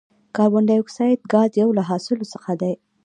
کاربن ډای اکساید ګاز یو له حاصلو څخه دی.